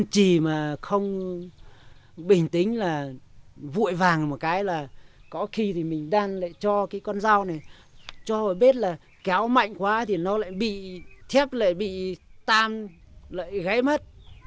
chỉ mà không bình tĩnh là vội vàng một cái là có khi thì mình đang lại cho cái con dao này cho biết là kéo mạnh quá thì nó lại bị thép lại bị tan lại ghé mất